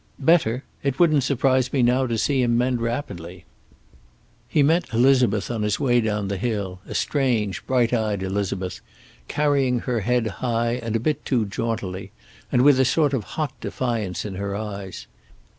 "Better. It wouldn't surprise me now to see him mend rapidly." He met Elizabeth on his way down the hill, a strange, bright eyed Elizabeth, carrying her head high and a bit too jauntily, and with a sort of hot defiance in her eyes.